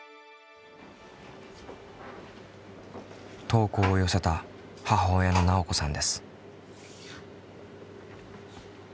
投稿を寄せた母親のなおこさんです。